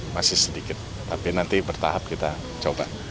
masih sedikit tapi nanti bertahap kita coba